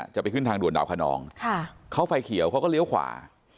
จะไปขึ้นทางด่วนดาวคนองเขาไฟเขียวเขาก็เลี้ยวขวา